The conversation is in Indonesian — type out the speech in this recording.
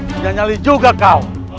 menyanyali juga kau